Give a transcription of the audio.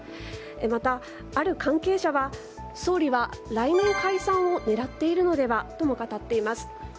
また、ある関係者は総理は来年解散を狙っているのではとも語っています。